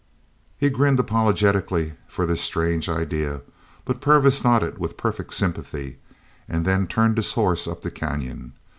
He grinned apologetically for this strange idea, but Purvis nodded with perfect sympathy, and then turned his horse up the canyon.